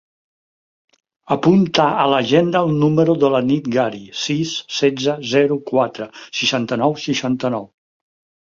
Apunta a l'agenda el número de la Nit Gari: sis, setze, zero, quatre, seixanta-nou, seixanta-nou.